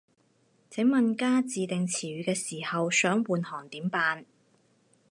請問加自訂詞語嘅時候，想換行點辦